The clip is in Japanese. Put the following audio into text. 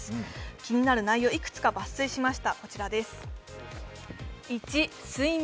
気になる内容をいくつか抜粋しました。